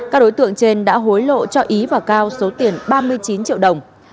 các đối tượng trên đã hối lộ cho ý và cao số tiền ba mươi chín triệu đồng